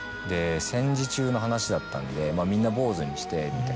戦時中の話だったのでみんな坊ずにして。